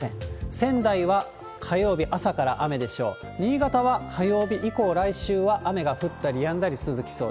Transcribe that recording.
仙台は火曜日朝から雨でしょう。